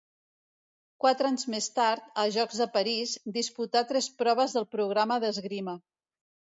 Quatre anys més tard, als Jocs de París, disputà tres proves del programa d'esgrima.